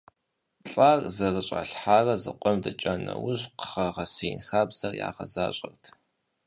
ЛӀар зэрыщӀалъхьэрэ зыкъом дэкӀа нэужь кхъэ гъэсеин хабзэр ягъэзащӀэрт.